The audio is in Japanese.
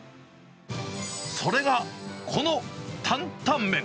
それが、この担々麺。